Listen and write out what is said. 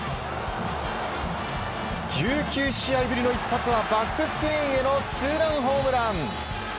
１９試合ぶりの一発はバックスクリーンへのツーランホームラン。